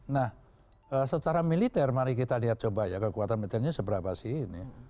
nah secara militer mari kita lihat coba ya kekuatan militernya seberapa sih ini